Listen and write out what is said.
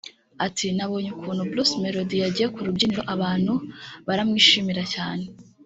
Ati “Nabonye ukuntu Bruce Melody yagiye ku rubyiniro abantu baramwishimira cyane